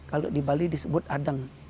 kalau di bali disebut adeng